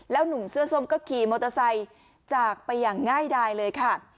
หนุ่มเสื้อส้มก็ขี่มอเตอร์ไซค์จากไปอย่างง่ายดายเลยค่ะ